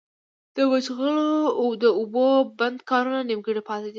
د مچلغو د اوبو بند کارونه نيمګړي پاتې دي